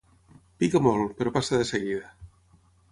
Pica molt, però passa de seguida.